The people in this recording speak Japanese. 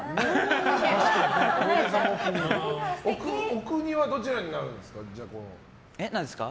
お国はどちらになるんですか？